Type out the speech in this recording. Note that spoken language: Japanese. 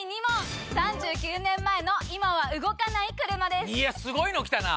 ８１万⁉いやすごいの来たな！